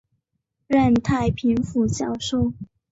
任太平府教授。